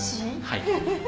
はい。